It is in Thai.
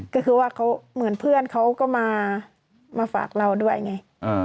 ก็คือว่าเขาเหมือนเพื่อนเขาก็มาฝากเราด้วยไง